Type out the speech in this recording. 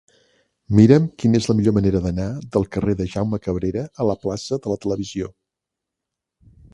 Mira'm quina és la millor manera d'anar del carrer de Jaume Cabrera a la plaça de la Televisió.